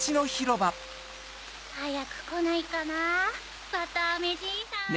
はやくこないかなぁわたあめじいさん。